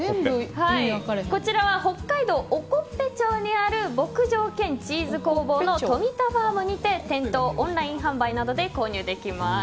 こちらは北海道興部町にある牧場兼チーズ工房の冨田ファームにて店頭、オンライン販売などで購入できます。